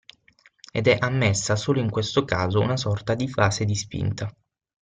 Ed è ammessa solo in questo caso una sorta di fase di spinta.